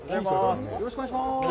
よろしくお願いします。